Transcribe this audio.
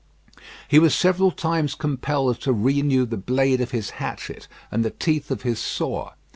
He was several times compelled to renew the blade of his hatchet and the teeth of his saw.